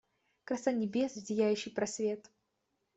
Краса небес в зияющий просвет;.